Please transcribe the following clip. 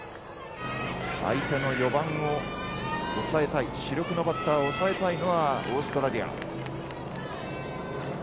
相手の４番を抑えたい主力のバッターを抑えたいのはオーストラリア。